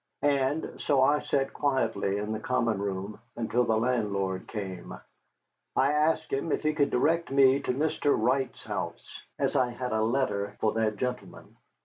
And so I sat quietly in the common room until the landlord came. I asked him if he could direct me to Mr. Wright's house, as I had a letter for that gentleman.